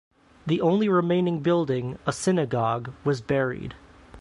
The only remaining building, a synagogue, was buried.